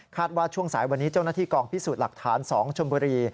ว่าช่วงสายวันนี้เจ้าหน้าที่กองพิสูจน์หลักฐาน๒ชมบุรี